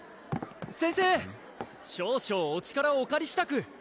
先生少々お力をおかりしたく！